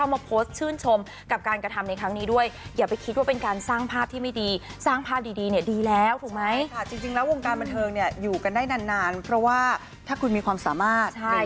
วันเทิงเนี่ยอยู่กันได้นานเพราะว่าถ้าคุณมีความสามารถ